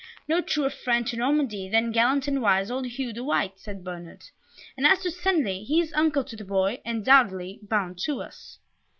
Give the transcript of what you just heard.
"No truer friend to Normandy than gallant and wise old Hugh the White!" said Bernard, "and as to Senlis, he is uncle to the boy, and doubly bound to us."